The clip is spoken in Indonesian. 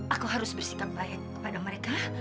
aku harus bersikap baik kepada mereka